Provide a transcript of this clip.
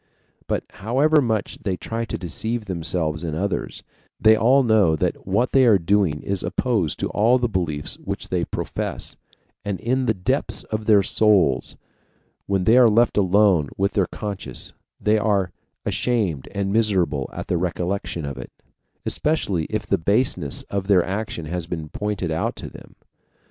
But, however much they try to deceive themselves and others, they all know that what they are doing is opposed to all the beliefs which they profess, and in the depths of their souls, when they are left alone with their conscience, they are ashamed and miserable at the recollection of it, especially if the baseness of their action has been pointed out to them.